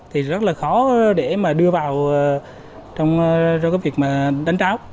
thì rất là khó để mà đưa vào trong cái việc mà đánh tráo